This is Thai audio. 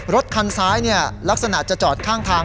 รถคันซ้ายลักษณะจะจอดข้างทาง